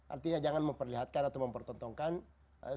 artinya jangan memperlihatkan atau mempertontonkan orang lain